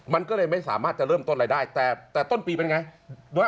มันก็เลยไม่สามารถจะเริ่มต้นอะไรได้แต่ต้นปีเป็นไง